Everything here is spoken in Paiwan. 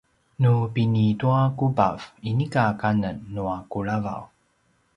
nu pinituakubav inika kanen nua kulavav